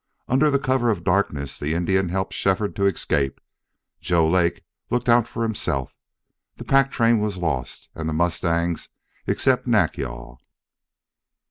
Under the cover of darkness the Indian helped Shefford to escape. Joe Lake looked out for himself. The pack train was lost, and the mustangs, except Nack yal.